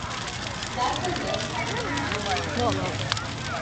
Lascelles has been married three times.